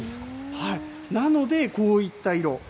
なので、こういった色。